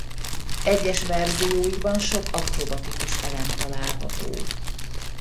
Egyes verzióiban sok akrobatikus elem található.